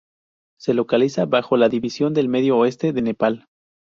Se localiza bajo la división del Medio oeste de Nepal.